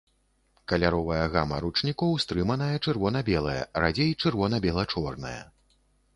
Каляровая гама ручнікоў стрыманая чырвона-белая, радзей чырвона-бела-чорная.